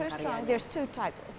ya terlalu kuat ada dua jenis